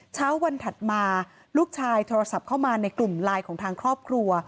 เช้าวันถัดมาลูกชายโทรศัพท์เข้ามาในกลุ่มไลน์ของทางครอบครัว